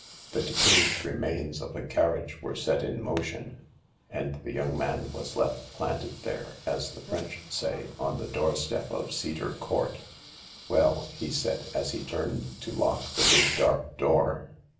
The decayed remains of a carriage were set iit motion, and the young man was left planted there, as the French sayi on the doorstep of Cedar Court. THE LARK 65 " Well," he said, as he turned to lock the big dark door.